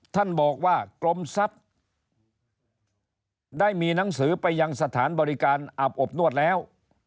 ท่านบอกว่ากรมทรัพย์ได้มีหนังสือไปยังสถานบริการอาบอบนวดแล้ว